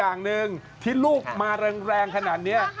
โอเคที่ลูกมารังขนาดนี้